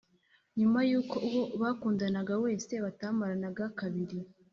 nyuma y’uko uwo bakundanaga wese batamaranaga kabiri,